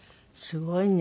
すごいね。